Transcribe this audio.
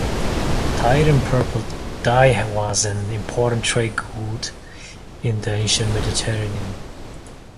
Tyrian purple dye was an important trade good in the ancient Mediterranean.